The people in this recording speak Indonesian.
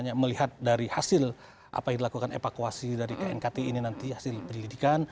hanya melihat dari hasil apa yang dilakukan evakuasi dari knkt ini nanti hasil penyelidikan